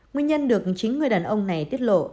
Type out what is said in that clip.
nguyên nhân được chính người đàn ông này tiết lộ